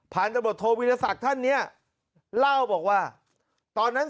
ตำรวจโทวิรสักท่านเนี่ยเล่าบอกว่าตอนนั้น